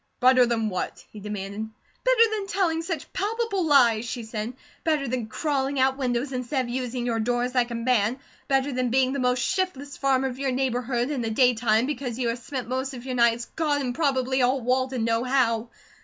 "Better than what?" he demanded. "Better than telling such palpable lies," she said. "Better than crawling out windows instead of using your doors like a man; better than being the most shiftless farmer of your neighbourhood in the daytime, because you have spend most of your nights, God and probably all Walden know how.